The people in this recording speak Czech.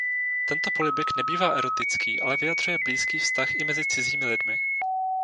Tento polibek nebývá erotický ale vyjadřuje blízký vztah i mezi cizími lidmi.